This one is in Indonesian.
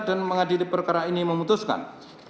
dan mengadili perkara ini memutuskan